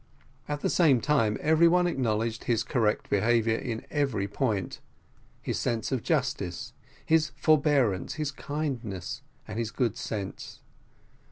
At the same time every one acknowledged his correct behaviour in every point, his sense of justice, his forbearance, his kindness, and his good sense.